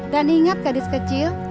dan ingat gadis kecil